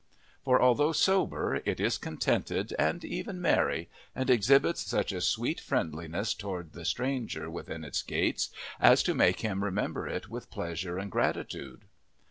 For although sober, it is contented and even merry, and exhibits such a sweet friendliness toward the stranger within its gates as to make him remember it with pleasure and gratitude.